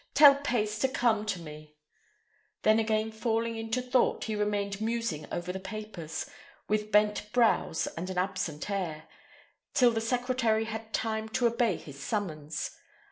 Tell Pace to come to me;" and again falling into thought, he remained musing over the papers with bent brows and an absent air, till the secretary had time to obey his summons.